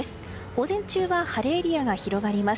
午前中は晴れエリアが広がります。